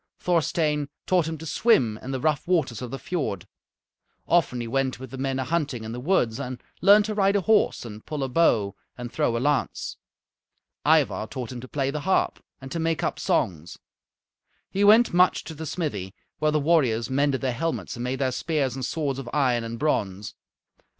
Thorstein taught him to swim in the rough waters of the fiord. Often he went with the men a hunting in the woods and learned to ride a horse and pull a bow and throw a lance. Ivar taught him to play the harp and to make up songs. He went much to the smithy, where the warriors mended their helmets and made their spears and swords of iron and bronze.